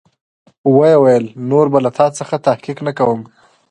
ويې ويل نور به له تا څخه تحقيق نه کوم.